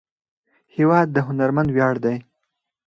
هېواد د هنرمند ویاړ دی.